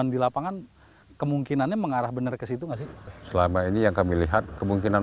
di lapangan kemungkinannya mengarah benar ke situ nggak sih selama ini yang kami lihat kemungkinan